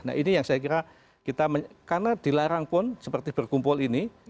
nah ini yang saya kira kita karena dilarang pun seperti berkumpul ini